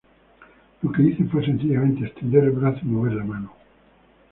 Lo que hice fue sencillamente extender el brazo y mover la mano.